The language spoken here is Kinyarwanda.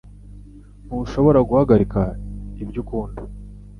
Ntushobora guhagarika gukora ibyo ukundi.